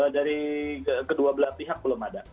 dari kedua belah pihak belum ada